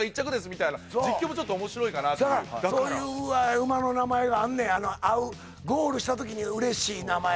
みたいな実況もちょっと面白いかなとそういう馬の名前があんねん合うゴールした時に嬉しい名前